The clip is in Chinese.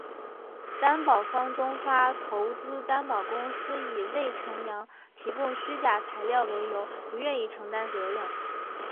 担保方中发投资担保公司以魏辰阳提供虚假材料为由不愿意承担责任。